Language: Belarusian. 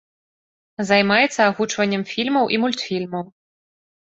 Займаецца агучваннем фільмаў і мультфільмаў.